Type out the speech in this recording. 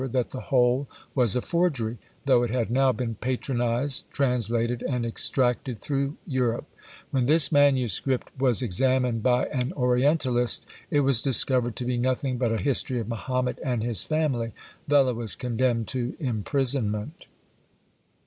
that the whole was a forgery: though it had now been patronised, translated, and extracted through Europe. When this MS. was examined by an Orientalist, it was discovered to be nothing but a history of Mahomet and his family. Vella was condemned to imprisonment.